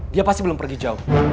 dia pasti belum pergi jauh